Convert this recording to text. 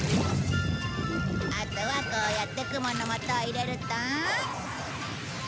あとはこうやって雲の素を入れると。